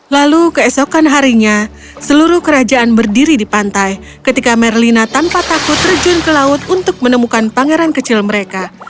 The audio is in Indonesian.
lalu keesokan harinya seluruh kerajaan berdiri di pantai ketika merlina tanpa takut terjun ke laut untuk menemukan pangeran kecil mereka